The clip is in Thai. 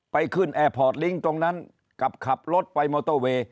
ไปขึ้นแอร์พอร์ตลิงค์ตรงนั้นกับขับรถไปมอเตอร์เวย์